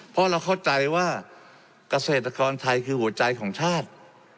เพราะเราเข้าใจว่าเกษตรกรไทยคือหัวใจของชาติ